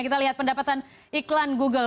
kita lihat pendapatan iklan google